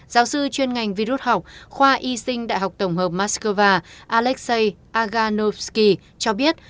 giáo sư chuyên ngành vi rút học khoa y sinh đại học tổng hợp moscow alexei agranovsky cho biết